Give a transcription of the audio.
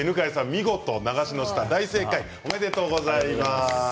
見事流しの下、大正解おめでとうございます。